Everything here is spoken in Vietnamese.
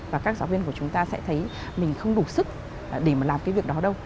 và các giáo viên của chúng ta sẽ thấy mình không đủ sức để mà làm cái việc đó đâu